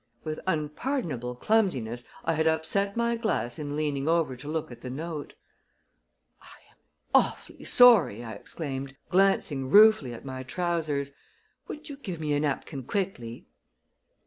With unpardonable clumsiness I had upset my glass in leaning over to look at the note. "I'm awfully sorry!" I exclaimed, glancing ruefully at my trousers. "Would you give me a napkin quickly?"